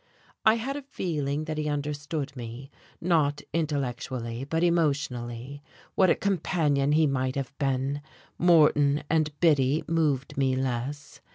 I had a feeling that he understood me, not intellectually, but emotionally. What a companion he might have been!... Moreton and Biddy moved me less.